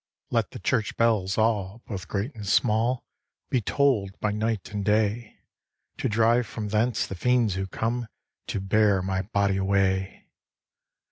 'Let the church bells all, both great and small, Be toll'd by night and day, To drive from thence the fiends who come To bear my body away.